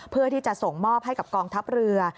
เพื่อที่จะส่งมอบให้กับกองทัพเรือ